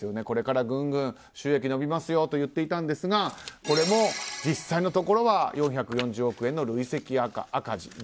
これからぐんぐん収益伸びますと言っていたんですがこれも実際は４４０億円の累積赤字。